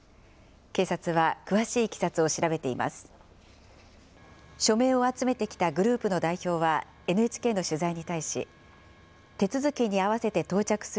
警察は詳しいいきさつを調べています。